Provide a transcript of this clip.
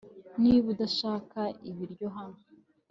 niba udashaka ibiryo hano